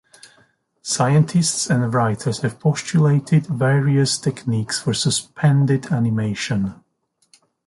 Scientists and writers have postulated various techniques for suspended animation.